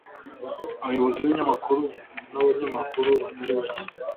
abayobozi b’ibinyamakuru n’abanyamakuru batari bake